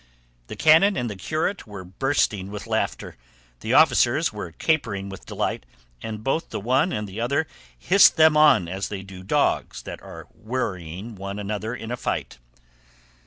The canon and the curate were bursting with laughter, the officers were capering with delight, and both the one and the other hissed them on as they do dogs that are worrying one another in a fight.